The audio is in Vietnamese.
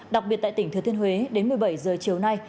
đặc biệt tại tỉnh thừa thiên huế đến một mươi bảy giờ chiều nay